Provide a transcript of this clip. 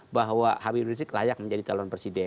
bahwa habib rizik layak menjadi calon presiden